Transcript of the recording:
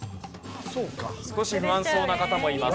少し不安そうな方もいます。